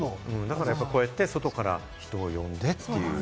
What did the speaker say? こうやって外から人を呼んでという。